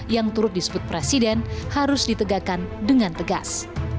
yang turut disebut presiden harus ditegakkan dengan tegas